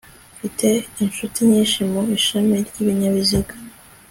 mfite inshuti nyinshi mu ishami ry'ibinyabiziga